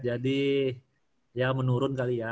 jadi ya menurun kali ya